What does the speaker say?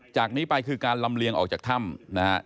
จากนี้ไปคือการลำเลียงออกจากถ้ำนะฮะ